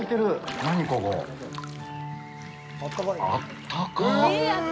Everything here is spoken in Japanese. あったか！